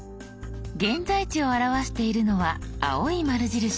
「現在地」を表しているのは青い丸印。